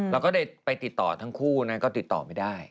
เราก็เลยไปติดต่อทั้งคู่นะก็ติดต่อไม่ได้